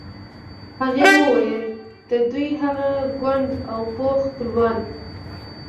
هغې وویل د دوی هغه کونډ او پوخ خپلوان.